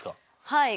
はい。